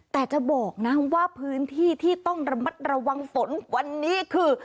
แต่จะบอกนะว่าพื้นที่ที่ต้องระมัดระวังฝนวันนี้คือ